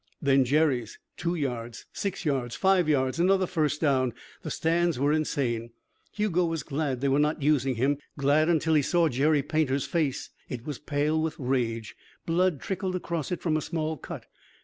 Then Jerry's. Two yards. Six yards. Five yards. Another first down. The stands were insane. Hugo was glad they were not using him glad until he saw Jerry Painter's face. It was pale with rage. Blood trickled across it from a small cut.